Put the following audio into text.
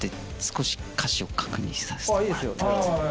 いいですよ。